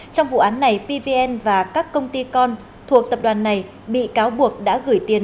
trong vụ án này pvn và các công ty con thuộc tập đoàn này bị cáo buộc đã gửi tiền